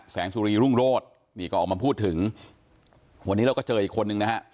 สุรีรุ่งโรธนี่ก็ออกมาพูดถึงวันนี้เราก็เจออีกคนนึงนะฮะ